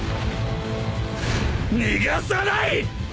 逃がさない！！